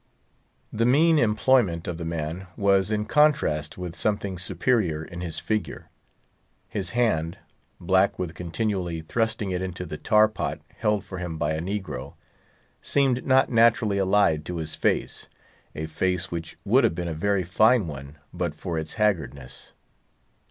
The mean employment of the man was in contrast with something superior in his figure. His hand, black with continually thrusting it into the tar pot held for him by a negro, seemed not naturally allied to his face, a face which would have been a very fine one but for its haggardness.